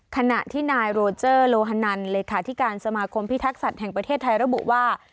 ขณะที่นายโรเจอร์โลฮานันเลขาธิการสมาคมพิทักษัตริย์แห่งประเทศไทยระบุว่า